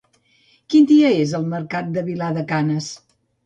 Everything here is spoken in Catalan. Quin dia és el mercat de Vilar de Canes?